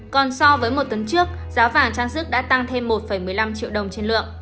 còn so với một tuần trước giá vàng trang sức đã tăng thêm một một mươi năm triệu đồng trên lượng